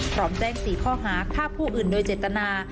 พร้อมแจ้ง๔ข้อหาฆ่าผู้อื่นโดยเจตนา